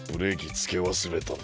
つけわすれたな。